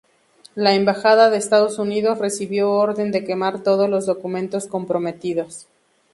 La embajada de Estados Unidos recibió orden de quemar todos los documentos comprometidos.